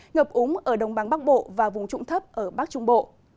ngập úng ở đồng bằng bắc bộ và vùng trụng thấp ở bắc trung bộ